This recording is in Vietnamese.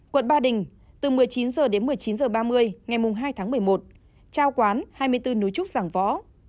quận ba đình từ một mươi chín h đến một mươi chín h ba mươi ngày hai tháng một mươi một trao quán hai mươi bốn núi trúc giảng võ